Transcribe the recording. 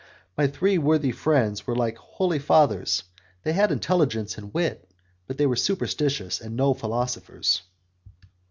My three worthy friends were like the holy Fathers; they had intelligence and wit, but they were superstitious, and no philosophers.